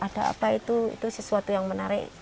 ada apa itu sesuatu yang menarik